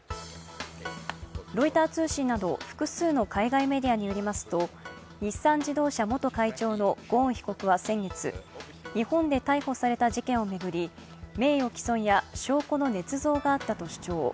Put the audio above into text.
ロイター通信など複数の海外メディアによりますと、日産自動車元会長のゴーン被告は先月、日本で逮捕された事件を巡り名誉毀損や証拠のねつ造があったと主張。